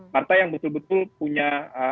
partai yang betul betul punya